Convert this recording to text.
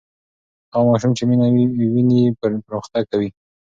هغه ماشوم چې مینه ویني پرمختګ کوي.